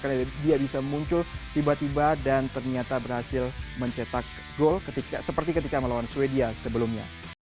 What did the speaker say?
karena dia bisa muncul tiba tiba dan ternyata berhasil mencetak gol seperti ketika melawan swedia sebelumnya